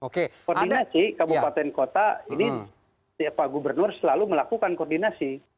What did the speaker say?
koordinasi kabupaten kota ini pak gubernur selalu melakukan koordinasi